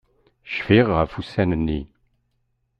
Cfiɣ ɣef ussan-nni.